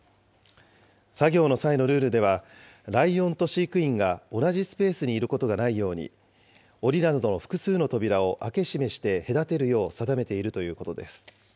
作業の際のルールでは、ライオンと飼育員が同じスペースにいることがないように、おりなどの複数の扉を開け閉めして隔てるよう定めているということです。